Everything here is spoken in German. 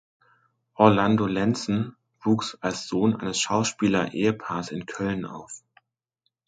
Orlando Lenzen wuchs als Sohn eines Schauspielerehepaars in Köln auf.